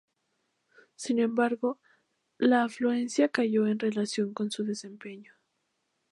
Sin embargo, la afluencia cayó en relación con su desempeño.